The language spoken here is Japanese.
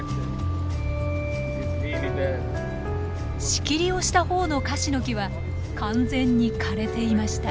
仕切りをしたほうのカシノキは完全に枯れていました。